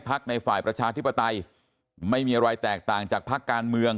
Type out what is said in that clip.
ในฝ่ายประชาธิปไตยไม่มีอะไรแตกต่างจากพักการเมือง